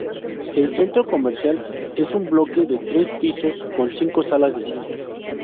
El centro comercial es un bloque de tres pisos, con cinco salas de cine.